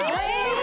・え！